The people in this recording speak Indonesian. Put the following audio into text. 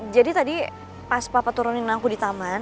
jadi tadi pas papa turunin aku di taman